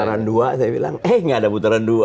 putaran dua saya bilang eh nggak ada putaran dua